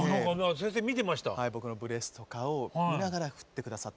僕のブレスとかを見ながら振って下さって。